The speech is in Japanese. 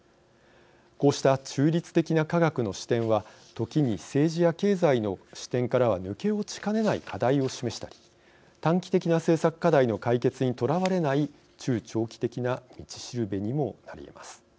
こうした中立的な科学の視点は時に政治や経済の視点からは抜け落ちかねない課題を示したり短期的な政策課題の解決に捉われない中長期的な道しるべにもなりえます。